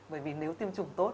bởi vì nếu tiêm chủng tốt